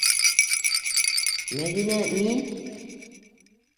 Мәҙинә мин...